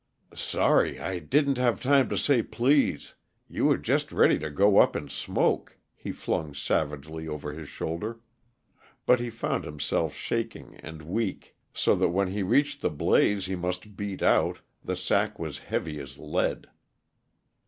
"Sorry I didn't have time to say please you were just ready to go up in smoke," he flung savagely over his shoulder. But he found himself shaking and weak, so that when he reached the blaze he must beat out, the sack was heavy as lead.